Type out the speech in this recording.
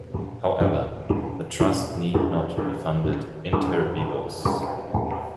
However, the trust need not be funded "inter vivos".